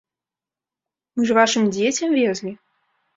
Мы ж вашым дзецям везлі!